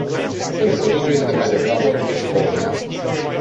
Pentru că totul este mai degrabă extraordinar.